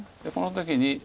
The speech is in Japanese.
この時に。